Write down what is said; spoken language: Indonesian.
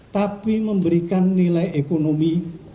tapi memberikan nilai ekonomi